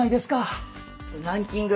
ランキング